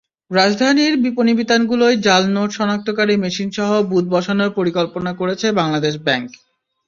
রাজধানীর বিপণিবিতানগুলোয় জাল note শনাক্তকারী মেশিনসহ booth বসানোর পরিকল্পনা করেছে বাংলাদেশ ব্যাংক।